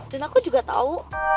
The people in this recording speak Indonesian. dan aku juga tau